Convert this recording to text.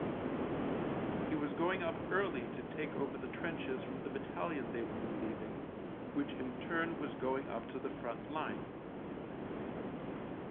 He was going up early to take over the trenches from the battalion they were re lieving, which in turn was going up to the front line.